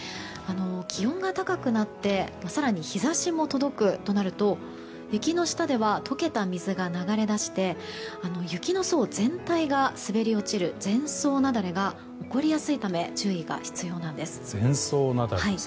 気温が高くなって更に、日差しも届くとなると雪の下では溶けた水が流れ出して雪の層全体が滑り落ちる全層雪崩が起こりやすいため注意が必要なんです。